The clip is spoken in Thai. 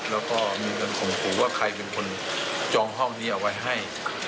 แล้วก็มีเงินข่มขู่ว่าใครเป็นคนจองห้องนี้เอาไว้ให้